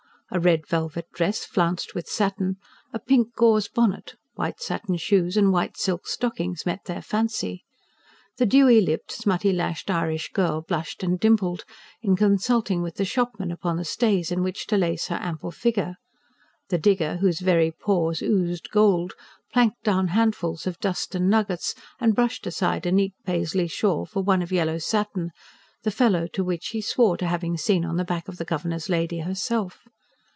A red velvet dress flounced with satin, a pink gauze bonnet, white satin shoes and white silk stockings met their fancy. The dewy lipped, smutty lashed Irish girl blushed and dimpled, in consulting with the shopman upon the stays in which to lace her ample figure; the digger, whose very pores oozed gold, planked down handfuls of dust and nuggets, and brushed aside a neat Paisley shawl for one of yellow satin, the fellow to which he swore to having seen on the back of the Governor's lady herself.